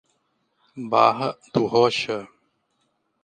Barra do Rocha